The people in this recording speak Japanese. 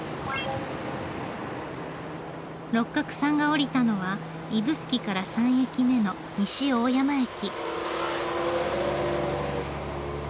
六角さんが降りたのは指宿から３駅目の西大山駅。